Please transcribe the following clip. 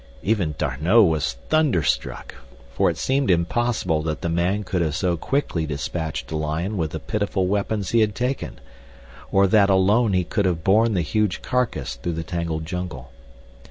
Even D'Arnot was thunderstruck, for it seemed impossible that the man could have so quickly dispatched a lion with the pitiful weapons he had taken, or that alone he could have borne the huge carcass through the tangled jungle.